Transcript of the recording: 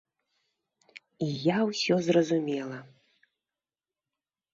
І я ўсё зразумела.